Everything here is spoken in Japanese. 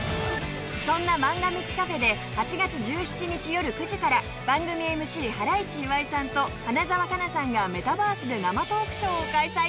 そんなまんが未知カフェで８月１７日よる９時から番組ＭＣハライチ岩井さんと花澤香菜さんがメタバースで生トークショーを開催。